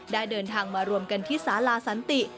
เดินทางมารวมกันที่สาลาสันติ